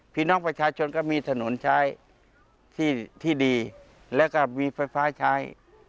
พี่น้องประชาชนก็มีถนนใช้ที่ดีแล้วก็มีไฟฟ้าใช้